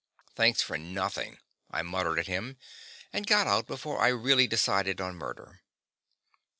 "Thanks for nothing," I muttered at him, and got out before I really decided on murder.